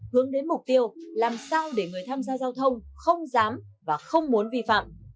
hướng đến mục tiêu làm sao để người tham gia giao thông không dám và không muốn vi phạm